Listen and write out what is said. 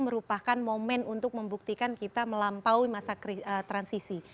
ini bukan momen untuk membuktikan kita melampaui masa transisi